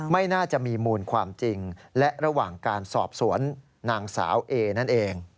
ไม่น่าจะมีมูลความจริงและระหว่างการสอบสวนนางสาวเอนั่นเอง